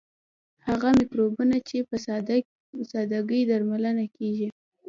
هغه مکروبونه چې په ساده ګۍ درملنه کیږي.